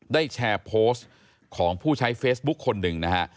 ได้แชร์โพสต์ของผู้ใช้เฟซบุ๊คคนหนึ่งนะฮะ